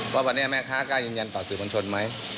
ว่าวันนี้แม่ค้ากล้ายืนยันต่อสื่อมวลชนไหม